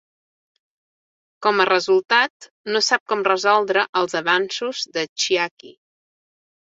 Com a resultat, no sap com respondre als avanços de Chiaki.